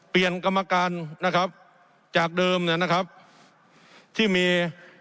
กรรมการนะครับจากเดิมเนี่ยนะครับที่มี